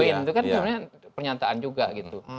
itu kan sebenarnya pernyataan juga gitu